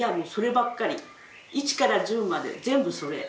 一から十まで全部それ。